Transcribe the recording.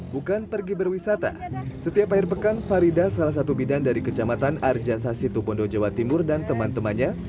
bukan pergi berwisata setiap akhir pekan farida salah satu bidan dari kecamatan arjasa situbondo jawa timur dan teman temannya